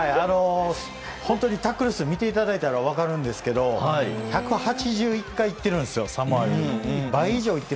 本当にタックル数を見ていただいたら分かると思いますが１８１回いっているんですよ